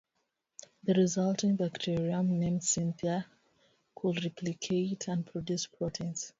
The resulting bacterium, named Synthia, could replicate and produce proteins.